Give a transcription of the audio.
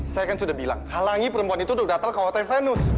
saya kan sudah bilang halangi perempuan itu untuk datang ke hotel venus